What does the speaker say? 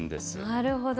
なるほど。